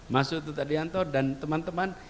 mas utut adianto dan teman teman